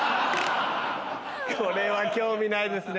これは興味ないですね。